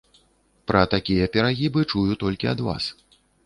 Пра такія перагібы чую толькі ад вас.